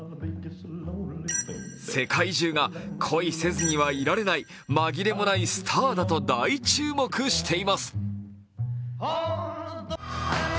世界中が、恋せずにはいられない、紛れもないスターだと大注目しています。